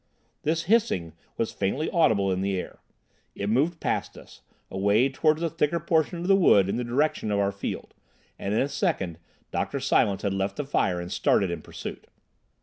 This hissing was faintly audible in the air. It moved past us, away towards the thicker portion of the wood in the direction of our field, and in a second Dr. Silence had left the fire and started in pursuit.